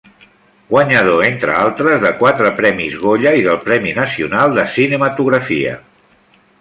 Guanyador, entre altres, de quatre premis Goya i del Premi Nacional de Cinematografia.